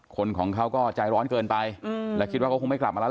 คนของเขาก็ใจร้อนเกินไปและคิดว่าเขาคงไม่กลับมาแล้ว